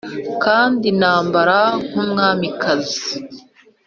kandi nambara nk'umwamikazi.